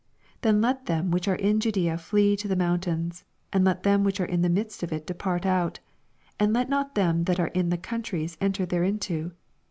21 Then let them which are in Ju dffia flee to the mountains ; and let them which are in the midst of it de part oat ; and let not them that arc in the coantries enter thereinto.